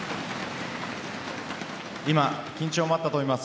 今、緊張もあったと思います。